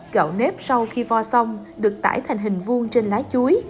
gạo nếp sau khi vo xong được tải thành hình vuông trên lá chuối